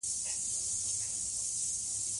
افغانستان د ولایتونو په برخه کې کار کوي.